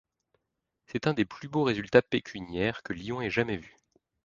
C'est un des plus beaux résultats pécuniaires que Lyon ait jamais vu.